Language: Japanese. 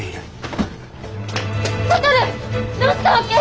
どうしたわけ？